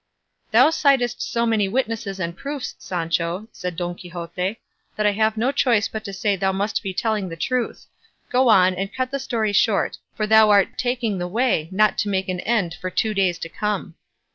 "Thou citest so many witnesses and proofs, Sancho," said Don Quixote, "that I have no choice but to say thou must be telling the truth; go on, and cut the story short, for thou art taking the way not to make an end for two days to come."